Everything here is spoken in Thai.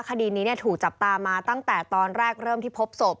คดีนี้ถูกจับตามาตั้งแต่ตอนแรกเริ่มที่พบศพ